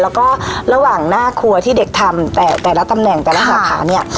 แล้วก็ระหว่างหน้าครัวที่เด็กทำแต่แต่ละตำแหน่งแต่ละสาขาเนี่ย